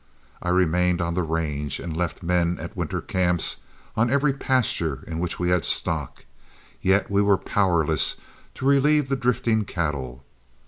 I remained on the range, and left men at winter camps on every pasture in which we had stock, yet we were powerless to relieve the drifting cattle.